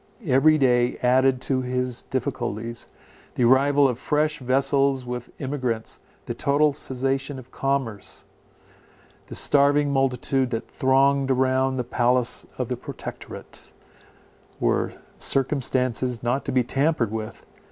Every day added to his difficulties; the arrival of fresh vessels with emigrants, the total cessation of commerce, the starving multitude that thronged around the palace of the Protectorate, were circumstances not to be tampered with.